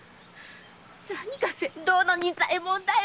何が船頭の仁左衛門だよ！